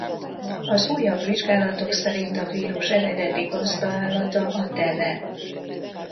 Az újabb vizsgálatok szerint a vírus eredeti gazdaállata a teve.